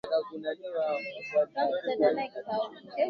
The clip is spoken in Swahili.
mguu wa kushoto huenda na mkono wa kulia pamoja kila mahali